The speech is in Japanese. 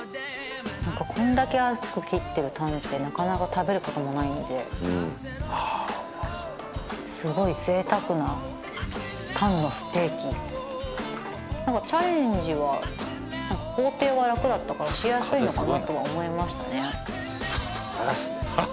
何かこんだけ厚く切ってるタンってなかなか食べることもないので何かチャレンジは工程は楽だったからしやすいのかなとは思いましたね嵐です